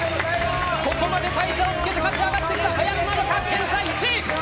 ここまで大差をつけて勝ち上がってきた林ママが１位。